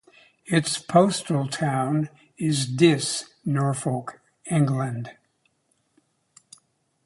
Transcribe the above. Its postal town is Diss, Norfolk, England.